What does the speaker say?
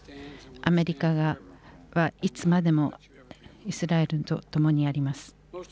アメリカはいつまでもイスラエルと共にあります。